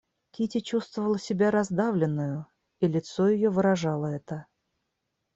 Кити чувствовала себя раздавленною, и лицо ее выражало это.